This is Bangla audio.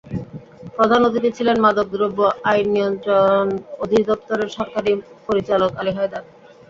প্রধান অতিথি ছিলেন মাদক দ্রব্য আইন নিয়ন্ত্রণ অধিদপ্তরের সহকারী পরিচালক আলী হায়দার।